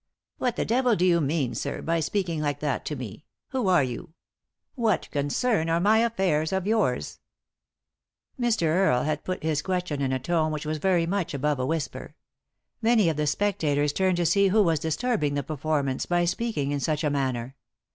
" What the devil do you mean, sir, by speaking like that to me ? Who are you ? What concern are my affairs of yours ?" Mr. Earle had put his question in a tone which was very much above a whisper. Many of the specta tors turned to see who was disturbing the perform ance by speaking in such a manner.